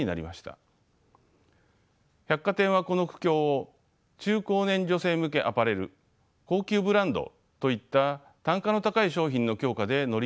百貨店はこの苦境を中高年女性向けアパレル高級ブランドといった単価の高い商品の強化で乗り切ろうとしました。